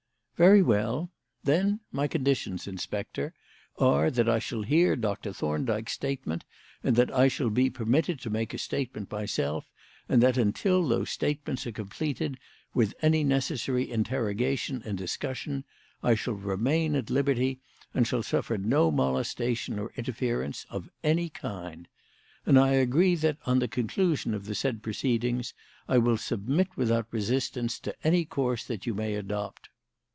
"Very well. Then my conditions, Inspector, are that I shall hear Doctor Thorndyke's statement and that I shall be permitted to make a statement myself, and that until those statements are completed, with any necessary interrogation and discussion, I shall remain at liberty and shall suffer no molestation or interference of any kind. And I agree that, on the conclusion of the said proceedings, I will submit without resistance to any course that you may adopt."